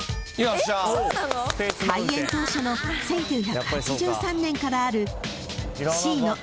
［開園当初の１９８３年からある］